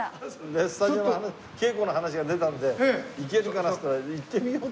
でスタジオの話稽古の話が出たので「行けるかな？」って言ったら「行ってみよう」って。